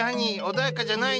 穏やかじゃないねぇ。